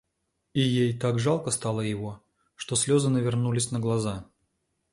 И ей так жалко стало его, что слезы навернулись на глаза.